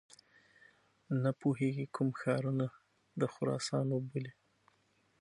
نه پوهیږي کوم ښارونه د خراسان وبولي.